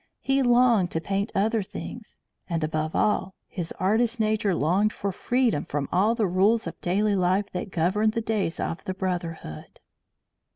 He longed to paint other things, and, above all, his artist nature longed for freedom from all the little rules of daily life that governed the days of the brotherhood.